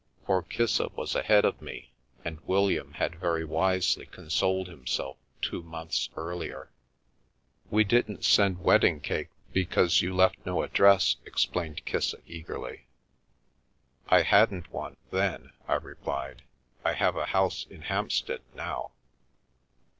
For Kissa was ahead of me, and William had very wisely consoled himself two months earlier. 330 The View from the Attic " We didn't send wedding cake, because you left no address," explained Kissa, eagerly. " I hadn't one — then," I replied. " I have a house in Hampstead now."